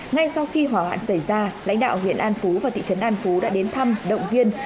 ngay sau khi hỏa hoạn xảy ra lãnh đạo huyện an phú và thị trấn an phú đã đến thăm động viên